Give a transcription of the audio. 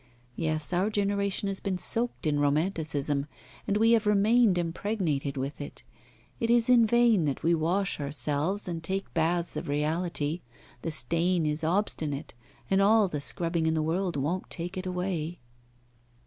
Yes, our generation has been soaked in romanticism, and we have remained impregnated with it. It is in vain that we wash ourselves and take baths of reality, the stain is obstinate, and all the scrubbing in the world won't take it away.